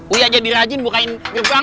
uy aja dirajin bukain gerbang